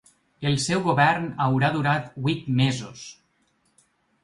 El seu govern haurà durat vuit mesos.